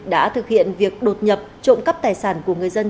đã thực hiện việc đột nhập trộm cắp tài sản của người dân